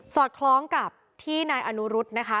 อดคล้องกับที่นายอนุรุษนะคะ